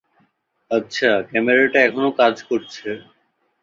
আচ্ছা, ক্যামেরাটা এখনও কাজ করছে।